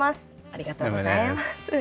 ありがとうございます。